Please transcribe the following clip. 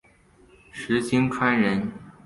石星川人。